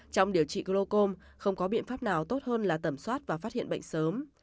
trong điều trị glaucom không có biện pháp nào tốt hơn là tẩm soát và phát hiện bệnh sớm